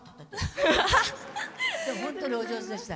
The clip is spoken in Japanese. でも本当にお上手でした。